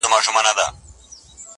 چي په لاره کي د دوی څنګ ته روان یم.!